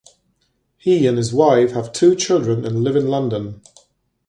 He and his wife have two children and live in London.